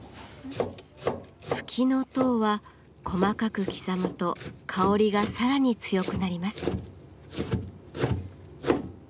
フキノトウは細かく刻むと香りがさらに強くなります。